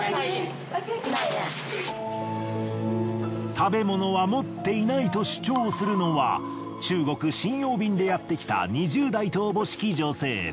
食べ物は持っていないと主張するのは中国瀋陽便でやってきた２０代とおぼしき女性。